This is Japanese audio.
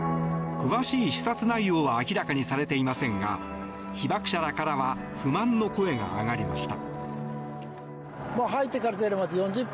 詳しい視察内容は明らかにされていませんが被爆者らからは不満の声が上がりました。